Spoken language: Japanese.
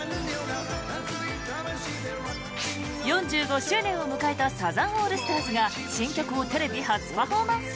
４５周年を迎えたサザンオールスターズが新曲をテレビ初パフォーマンス。